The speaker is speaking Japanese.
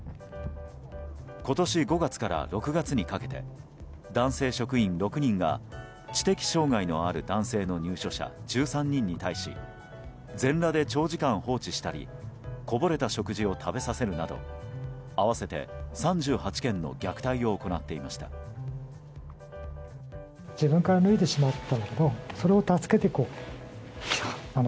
今年５月から６月にかけて男性職員６人が知的障害のある男性の入所者１３人に対し全裸で長時間放置したりこぼれた食事を食べさせるなど合わせて３８件の虐待を行っていました。